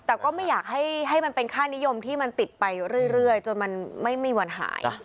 แต่ก็ไม่อยากให้มันเป็นค่านิยมที่มันติดไปเรื่อยจนมันไม่มีวันหาย